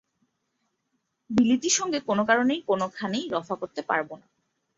বিলিতির সঙ্গে কোনো কারণেই কোনোখানেই রফা করতে পারব না।